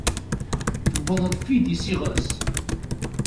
Tewweḍ tfidi s iɣes!